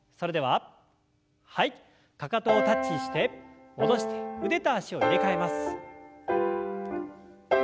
かかとをタッチして戻して腕と脚を入れ替えます。